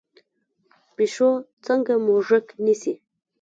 پیشو څنګه موږک نیسي؟